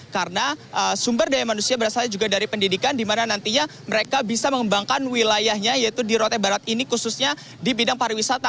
karena sumber daya manusia berasal juga dari pendidikan dimana nantinya mereka bisa mengembangkan wilayahnya yaitu di rote barat ini khususnya di bidang pariwisata